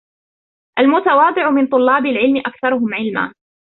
الْمُتَوَاضِعُ مِنْ طُلَّابِ الْعِلْمِ أَكْثَرُهُمْ عِلْمًا